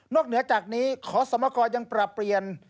เหนือจากนี้ขอสมกรยังปรับเปลี่ยน